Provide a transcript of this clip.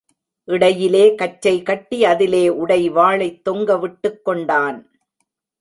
இடையிலே கச்சை கட்டி, அதிலே உடைவாளைத் தொங்கவிட்டுக்கொண்டான்.